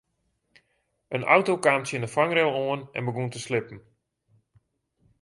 In auto kaam tsjin de fangrail oan en begûn te slippen.